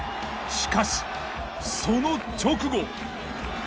しかしその直後。